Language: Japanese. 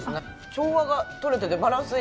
調和が取れててバランスいい。